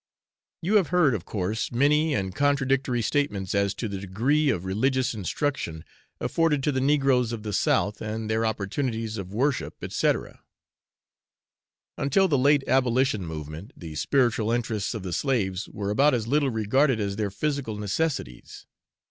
You have heard, of course, many and contradictory statements as to the degree of religious instruction afforded to the negroes of the South, and their opportunities of worship, &c. Until the late abolition movement, the spiritual interests of the slaves were about as little regarded as their physical necessities.